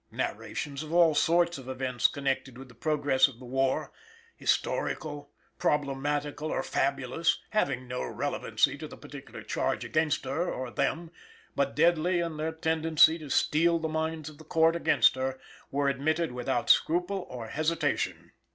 Narrations of all sorts of events connected with the progress of the War historical, problematical or fabulous having no relevancy to the particular charge against her, or them, but deadly in their tendency to steel the minds of the Court against her, were admitted without scruple or hesitation.